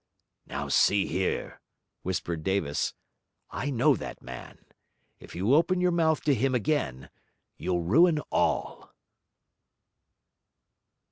'Now, see here!' whispered Davis. 'I know that man. If you open your mouth to him again, you'll ruin all.'